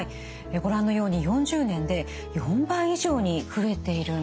ご覧のように４０年で４倍以上に増えているんです。